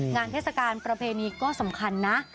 เทศกาลประเพณีก็สำคัญนะ